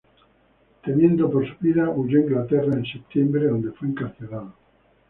Temiendo por su vida, huyó a Inglaterra en septiembre, donde fue encarcelado.